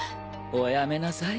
おやめなさい